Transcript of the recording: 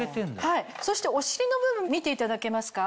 そしてお尻の部分見ていただけますか？